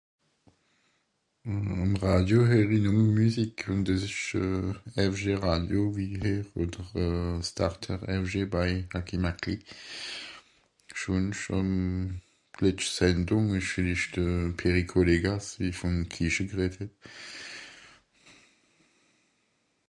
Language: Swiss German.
àm radio heeri nòmme musique ùn des esch euh FG Radio wie i heer oder starter FG by hacki makli schònscht euh d'letscht sendung esch escht de Pierrick Colegas wie vòm ... het